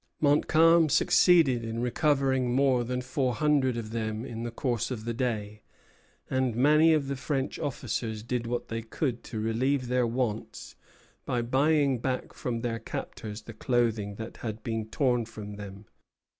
Montcalm succeeded in recovering more than four hundred of them in the course of the day; and many of the French officers did what they could to relieve their wants by buying back from their captors the clothing that had been torn from them.